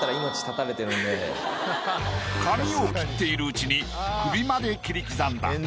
髪を切っているうちに首まで切り刻んだ。